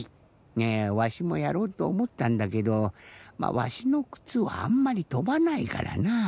わしもやろうとおもったんだけどわしのくつはあんまりとばないからなぁ。